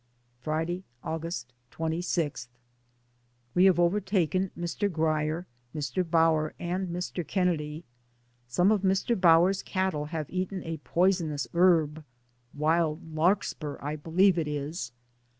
Friday, August 26. We have overtaken Mr. Grier, Mr. Bower and Mr. Kennedy. Some of Mr. Bower's cattle have eaten a poisonous herb — wild larkspur, I believe it is.